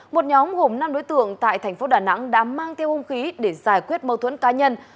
một nhóm gồm năm đối tượng tại thành phố đà nẵng đã mang theo hung khí để giải quyết mâu thuẫn cá nhân